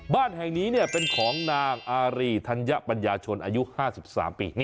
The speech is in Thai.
บ้านแห่งนี้เป็นของนางอารีธัญปัญญาชนอายุ๕๓ปี